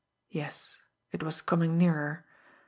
Yes, it was coming nearer.